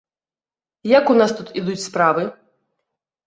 Як у нас тут ідуць справы?